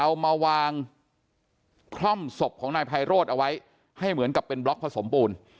เอามาวางคล่อมศพของนายไพโรธเอาไว้ให้เหมือนกับเป็นบล็อกผสมปูน